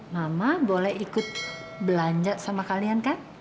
mama boleh ikut belanja sama kalian kan